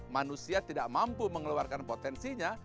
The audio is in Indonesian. manusia tidak mampu mengeluarkan potensinya